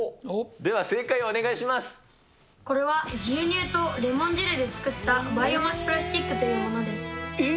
では、正解をお願いしこれは牛乳とレモン汁で作ったバイオマスプラスチックというものです。え？